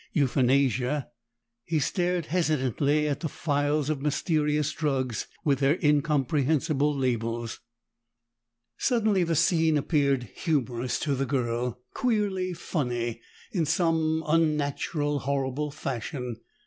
Euthanasia!" He stared hesitantly at the files of mysterious drugs with their incomprehensible labels. Suddenly the scene appeared humorous to the girl, queerly funny, in some unnatural horrible fashion.